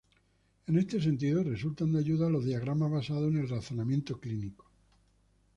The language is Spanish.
En este sentido, resultan de ayuda los diagramas basados en el razonamiento clínico.